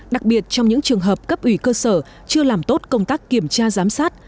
đặc biệt trong những trường hợp cấp ủy cơ sở chưa làm tốt công tác kiểm tra giám sát